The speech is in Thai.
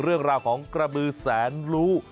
เรื่องราวของกระบือแสนรู้